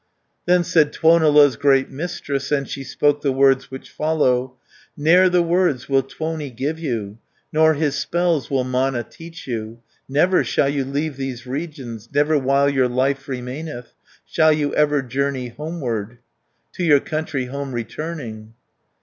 320 Then said Tuonela's great mistress, And she spoke the words which follow: "Ne'er the words will Tuoni give you, Nor his spells will Mana teach you. Never shall you leave these regions, Never while your life remaineth, Shall you ever journey homeward, To your country home returning."